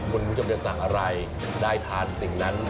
คุณผู้ชมจะสั่งอะไรได้ทานสิ่งนั้น